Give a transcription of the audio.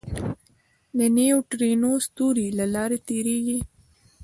د نیوټرینو ستوري له لارې تېرېږي.